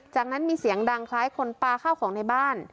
จากนั้นมีเสียงดังคล้ายคนปลาข้าวของในบ้าน